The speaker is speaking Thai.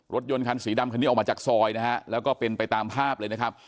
รถยนต์คันสีดำคันนี้ออกมาจากซอยนะฮะแล้วก็เป็นไปตามภาพเลยนะครับ